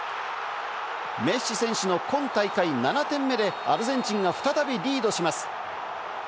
メッシ選手の今大会７点目でアルゼンチンが再びリードします。